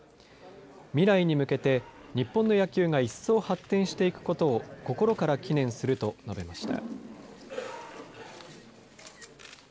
未来に向けて、日本の野球が一層発展していくことを心から祈念すると述べました。